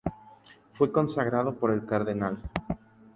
Fue consagrado por el cardenal.